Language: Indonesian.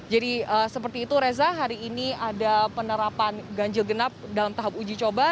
jadi seperti itu reza hari ini ada penerapan ganjil genap dalam tahap uji coba